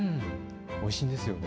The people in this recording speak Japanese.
おいしいんですよね。